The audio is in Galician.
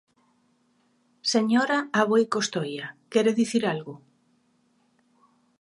Señora Aboi Costoia, ¿quere dicir algo?